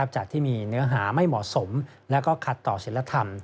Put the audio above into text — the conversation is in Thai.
จากที่มีเนื้อหาไม่เหมาะสมและก็ขัดต่อศิลธรรม